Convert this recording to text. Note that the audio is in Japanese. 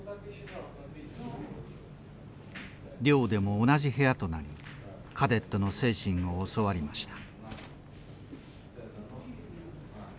寮でも同じ部屋となりカデットの精神を教わりました。